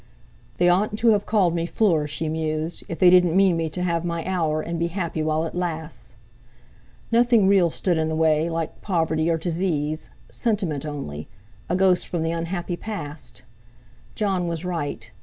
'They oughtn't to have called me Fleur,' she mused, 'if they didn't mean me to have my hour, and be happy while it lasts.' Nothing real stood in the way, like poverty, or disease—sentiment only, a ghost from the unhappy past! Jon was right.